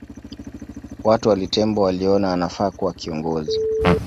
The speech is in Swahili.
Watu wa Litembo waliona anafaa kuwa kiongozi